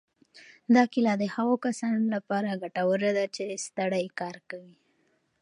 دا کیله د هغو کسانو لپاره ګټوره ده چې ستړی کار کوي.